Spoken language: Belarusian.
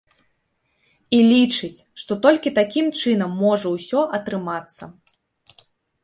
І лічыць, што толькі такім чынам можа ўсё атрымацца.